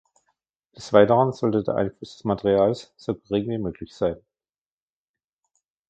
Des Weiteren sollte der Einfluss des Materials so gering wie möglich sein.